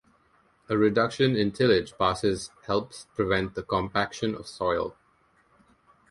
A reduction in tillage passes helps prevent the compaction of soil.